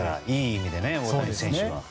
いい意味でね、大谷選手は。